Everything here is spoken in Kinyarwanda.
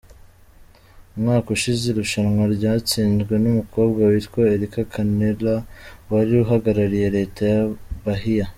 Umwaka ushize irushanwa ryatsinzwe n’umukobwa witwa Erika Canela wari uhagarariye Leta ya Bahia.